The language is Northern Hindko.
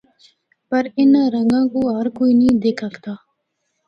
پر اِنّاں رَنگاں کو ہر کوئی نیں دکھ ہکدا۔